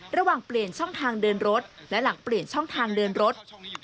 ระหว่างเปลี่ยนช่องทางเดินรถและหลังเปลี่ยนช่องทางเดินรถ